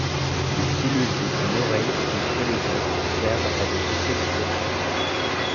Des cellules de son oreille sont prélevées et servent à des essais de clonage.